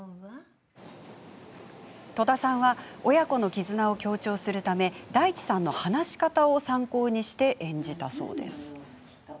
戸田さんは親子の絆を強調するため大地さんの話し方を参考にして演じたそうです。